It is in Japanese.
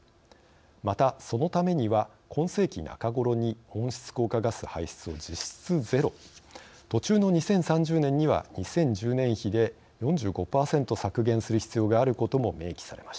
またそのためには今世紀中頃に温室効果ガス排出を実質ゼロ途中の２０３０年には２０１０年比で４５％削減する必要があることも明記されました。